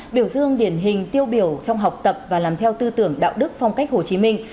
biểu dương điển hình tiêu biểu trong học tập và làm theo tư tưởng đạo đức phong cách hồ chí minh